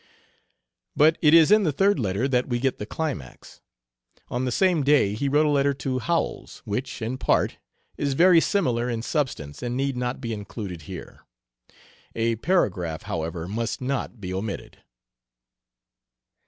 But it is in the third letter that we get the climax. On the same day he wrote a letter to Howells, which, in part, is very similar in substance and need not be included here. A paragraph, however, must not be omitted.